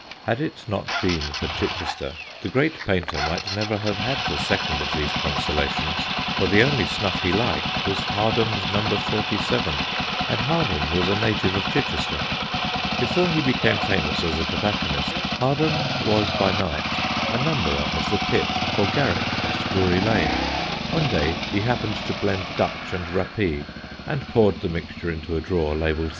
Had it not been for Chichester the great painter might never have had the second of these consolations, for the only snuff he liked was Hardham's No. 37, and Hardham was a native of Chichester. Before he became famous as a tobacconist, Hardham was, by night, a numberer of the pit for Garrick at Drury Lane. One day he happened to blend Dutch and rappee and poured the mixture into a drawer labelled 37.